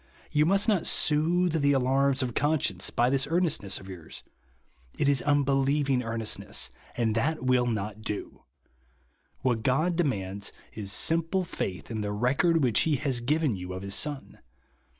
You must not soothe tlie alarms of conscience by this earnest ness of yours. It is unbelieving earnest V.ELI EVE JUST NOW. 117 ness ; and that will not do. Who t God demands is simple faith in the record which he has given you of his Son.